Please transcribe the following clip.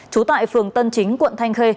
chú tại phường tân chính quận thanh khê